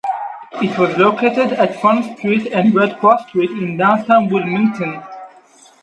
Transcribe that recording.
It was located at Front Street and Red Cross Street in downtown Wilmington.